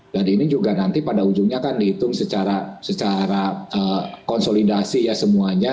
dan ini juga nanti pada ujungnya kan dihitung secara secara konsolidasi ya semuanya